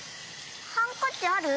ハンカチある？